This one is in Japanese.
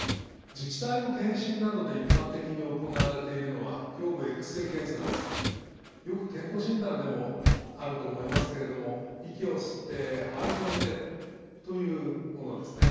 自治体の検診などで一般的に行われているのはよく健康診断でもあると思いますけれども息を吸ってはい止めて。というものですね。